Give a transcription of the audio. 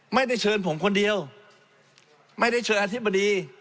ไม่ได้เชิญผมคนเดียวไม่ได้เชิญอธิบดี